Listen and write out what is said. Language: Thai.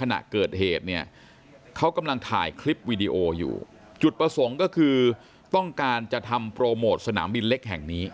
ขณะเกิดเหตุเนี่ยเขากำลังถ่ายคลิปวีดีโออยู่จุดประสงค์ก็คือต้องการจะทำโปรโมทสนามบินเล็กแห่งนี้